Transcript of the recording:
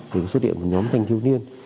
thì có xuất hiện một nhóm thanh thiếu niên